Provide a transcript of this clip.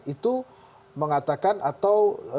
itu mengatakan atau